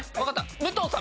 武藤さん。